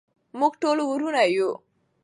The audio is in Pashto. موږ ټول ورونه یو.